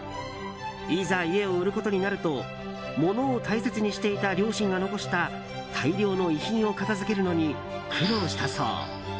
いざ、家を売ることになると物を大切にしていた両親が残した大量の遺品を片づけるのに苦労したそう。